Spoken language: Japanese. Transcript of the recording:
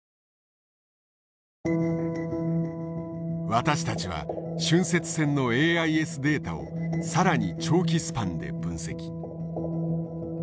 私たちは浚渫船のＡＩＳデータを更に長期スパンで分析。